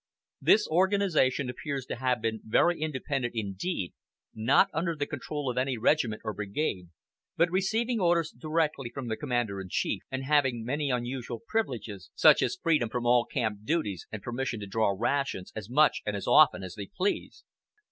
This organization appears to have been very independent indeed, not under the control of any regiment or brigade, but receiving orders directly from the commander in chief, and having many unusual privileges, such as freedom from all camp duties, and permission to draw rations as much and as often as they pleased.